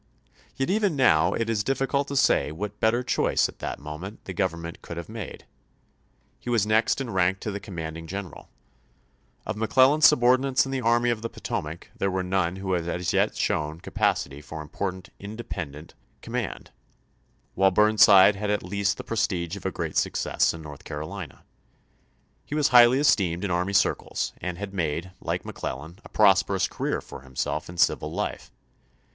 Yet even now it is difficult to say what better choice at that moment the Government could have made. He was next in rank to the commanding general. Of McCleUan's subordinates in the Army of the Potomac there were none who had as yet shown capacity for important independent com 198 ABRAHAM LINCOLN csAF. X. mand ; while Burnside had at least the prestige of a great success in North Carolina. He was highly esteemed in army circles and had made, like Mc Clellan, a prosperous career for himself in civil life.